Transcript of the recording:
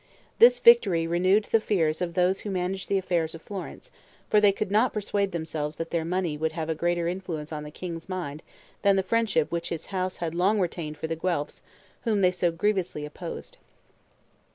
This victory renewed the fears of those who managed the affairs of Florence, for they could not persuade themselves that their money would have a greater influence on the king's mind than the friendship which his house had long retained for the Guelphs, whom they so grievously oppressed.